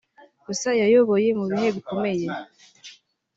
gusa yayoboye mu bihe bikomeye